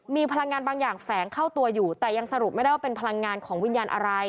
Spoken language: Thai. มีพลังงานบางอย่างแฝงเข้าตัวอยู่แต่ยังสรุปไม่ได้ว่าเป็นพลังงานของวิญญาณอะไร